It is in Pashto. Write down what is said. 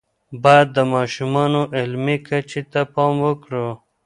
باید د ماشومانو علمی کچې ته پام وکړو.